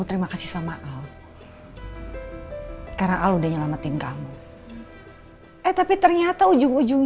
tadi mama tuh udah seneng banget tok tung